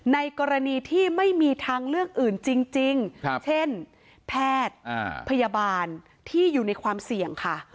ในกรณีที่ไม่มีทางเลือกอื่นจริงเช่นแพทย์พยาบาลที่อยู่ในความเสี่ยงค่ะ